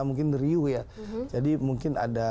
mungkin the riuh ya jadi mungkin ada